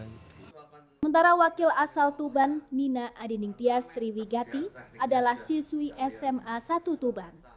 sementara wakil asal tuban nina adining tias sriwigati adalah siswi sma satu tuban